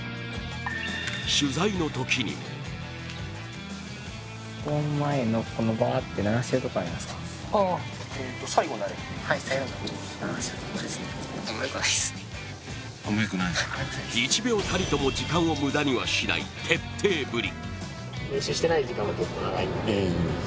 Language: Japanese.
取材のときにも１秒たりとも時間を無駄にはしない徹底ぶり。